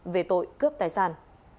về tội cướp tài sản